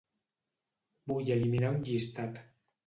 Vull eliminar un llistat.